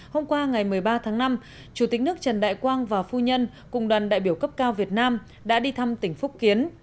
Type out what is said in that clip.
hôm qua ngày một mươi ba tháng năm chủ tịch nước trần đại quang và phu nhân cùng đoàn đại biểu cấp cao việt nam đã đi thăm tỉnh phúc kiến